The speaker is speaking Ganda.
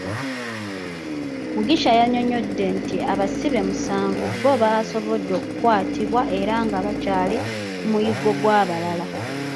Mugisha yannyonnyodde nti abasibe musanvu bbo basobodde okukwatibwa era nga bakyali ku muyiggo gw'abalala.